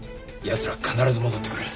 奴らは必ず戻ってくる。